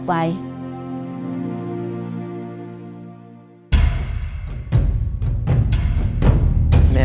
ส่งลงภยบาล